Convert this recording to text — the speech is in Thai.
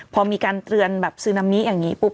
พอมีการเตือนแบบซึนามิอย่างนี้ปุ๊บ